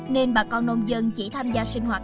nên bà con nông dân chỉ tham gia sinh hoạt